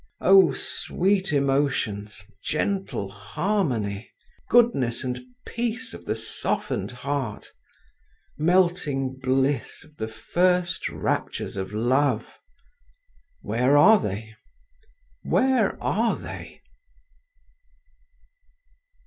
Oh, sweet emotions, gentle harmony, goodness and peace of the softened heart, melting bliss of the first raptures of love, where are they, where are they?